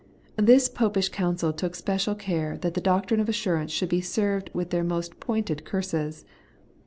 This Popish Council took special care that the doctrine of assurance should be served with their most pointed curses.